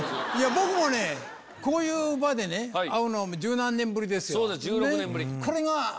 僕もねこういう場で会うのは１０何年ぶりですよ。